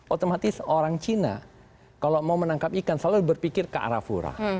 otomatis orang cina kalau mau menangkap ikan selalu berpikir ke arafura